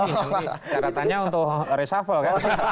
catatannya untuk reshuffle kan